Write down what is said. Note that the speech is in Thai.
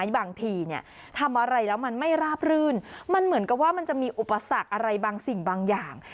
บางทีทำอะไรแล้วมันไม่ราบรื่นมันเหมือนกับว่ามันจะมีอุปสรรคอะไรบางสิ่งบางอย่าง